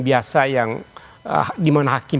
biasa yang dimana hakim